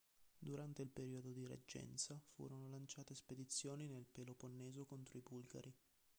Durante il periodo di reggenza, furono lanciate spedizioni nel Peloponneso conto i Bulgari.